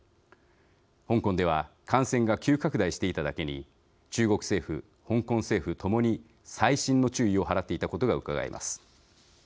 香港では感染が急拡大していただけに中国政府、香港政府ともに細心の注意を払っていたことがうかがえます。